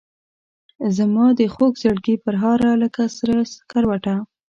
زمادخوږزړګي پرهاره لکه سره سکروټه